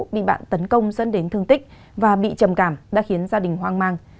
bị bạn tấn công dẫn đến thương tích và bị trầm cảm đã khiến gia đình hoang mang